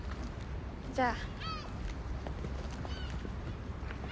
じゃあ。